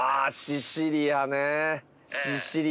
シシリアね。